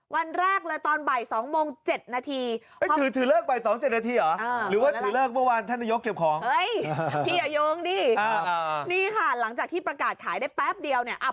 วันแรกเลยตอนบ่าย๒โมง๗นาที